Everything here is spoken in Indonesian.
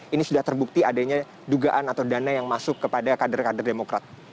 ini sudah terbukti adanya dugaan atau dana yang masuk kepada kader kader demokrat